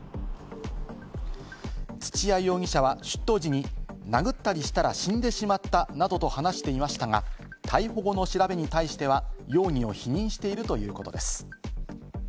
土屋容疑者は出頭時、殴ったりしたら死んでしまったなどと話していましたが、逮捕後の調べに対しては、容疑を否認しているということです。